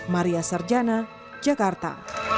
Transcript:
maria sarjana jakarta